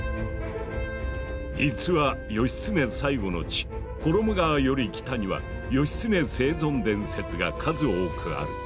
実は義経最期の地衣川より北には義経生存伝説が数多くある。